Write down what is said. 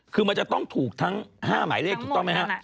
คือมันจะต้องถูกทั้ง๕หมายเลขถูกต้องไหมครับ